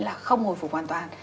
là không hồi phục hoàn toàn